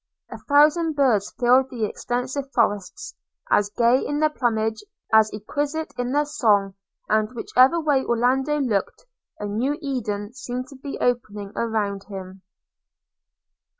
A thousand birds filled the extensive forests, as gay in their plumage, as exquisite in their song; and, whichever way Orlando looked, a new Eden seemed to be opening around him.